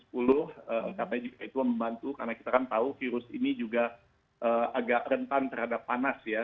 katanya juga itu membantu karena kita kan tahu virus ini juga agak rentan terhadap panas ya